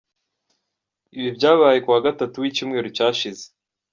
Ibi byabaye ku wa gatatu w’icyumweru cyashize.